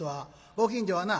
ご近所はな